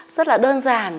rất là đơn giản